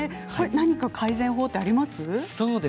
何か改善法はありますか。